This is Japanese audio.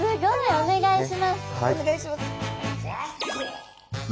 お願いします。